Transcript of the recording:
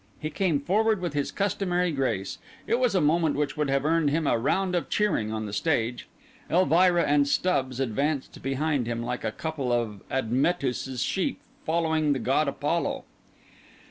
He came forward with his customary grace; it was a moment which would have earned him a round of cheering on the stage. Elvira and Stubbs advanced behind him, like a couple of Admetus's sheep following the god Apollo.